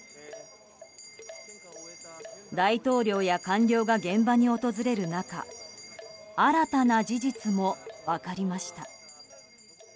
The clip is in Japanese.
大統領や官僚が現場に訪れる中新たな事実も分かりました。